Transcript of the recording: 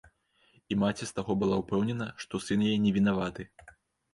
І маці з таго была ўпэўнена, што сын яе не вінаваты.